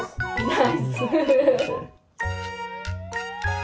ナイス。